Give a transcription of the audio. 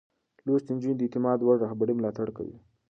لوستې نجونې د اعتماد وړ رهبرۍ ملاتړ کوي.